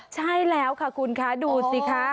ใช่แล้วค่ะคุณคะดูสิคะ